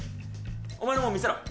お前のも見せろ。